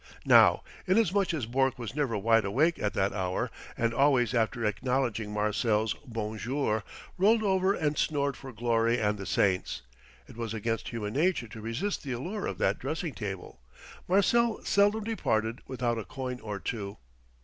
Now inasmuch as Bourke was never wide awake at that hour, and always after acknowledging Marcel's "bon jour" rolled over and snored for Glory and the Saints, it was against human nature to resist the allure of that dressing table. Marcel seldom departed without a coin or two.